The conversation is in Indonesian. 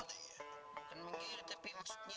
bukan menggirik tapi maksudnya